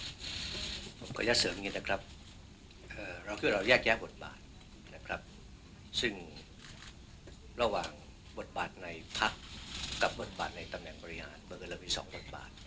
ผมพยายามเสริมยังงี้นะครับเราคิดว่าเราแยกแยะบทบาทซึ่งระหว่างบทบาทในพักกับบทบาทในตำแหน่งบริหารเขาเกิดระวังอีก๒บทบาท